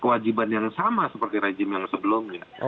kewajiban yang sama seperti rejim yang sebelumnya